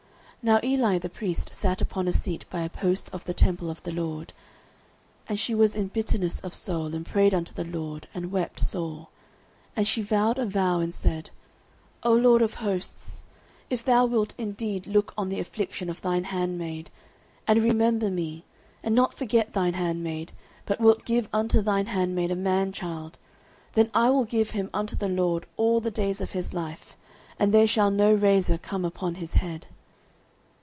Now Eli the priest sat upon a seat by a post of the temple of the LORD. 09:001:010 And she was in bitterness of soul, and prayed unto the LORD, and wept sore. 09:001:011 And she vowed a vow, and said, O LORD of hosts, if thou wilt indeed look on the affliction of thine handmaid, and remember me, and not forget thine handmaid, but wilt give unto thine handmaid a man child, then I will give him unto the LORD all the days of his life, and there shall no razor come upon his head.